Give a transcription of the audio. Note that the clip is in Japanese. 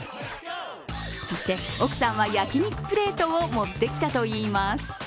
そして奥さんは焼き肉プレートを持ってきたといいます。